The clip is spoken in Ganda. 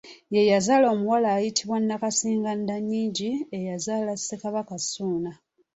Ye yazaala omuwala ayitibwa Nakkazingandannyingi eyazaala Ssekabaka Ssuuna.